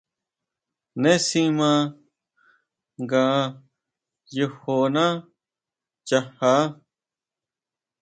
Neé si ma nga yojoná nchajá.